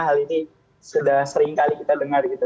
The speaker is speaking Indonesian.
hal ini sudah seringkali kita dengar gitu